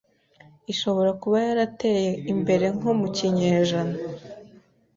ishobora kuba yarateye imbere nko mu kinyejana